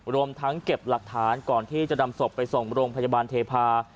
รวมทั้งเก็บหลักฐานก่อนที่จะนำศพไปส่งโรงพยาบาลเทพา